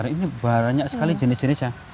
ini banyak sekali jenis jenis ya